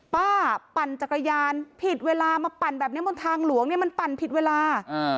ปั่นจักรยานผิดเวลามาปั่นแบบนี้บนทางหลวงเนี่ยมันปั่นผิดเวลา